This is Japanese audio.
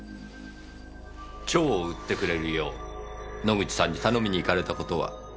蝶を売ってくれるよう野口さんに頼みに行かれたことは？